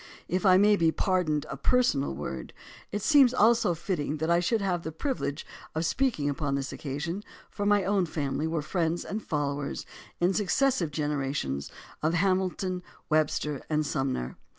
If I may be pardoned a personal word, it seems also fitting that I should have the privilege of speaking upon this occasion, for my own family were friends and followers in successive generations of Hamilton and Webster and Sumner.